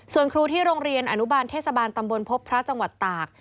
ส่วนครูที่โรงเรียนอนุบาลเทศบาลตำบลพบพระจังหวัดตาก